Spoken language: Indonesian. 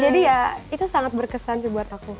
jadi ya itu sangat berkesan sih buat aku